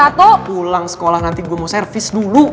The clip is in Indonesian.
karena pulang sekolah nanti gue mau servis dulu